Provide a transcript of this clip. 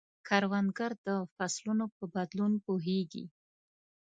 کروندګر د فصلونو په بدلون پوهیږي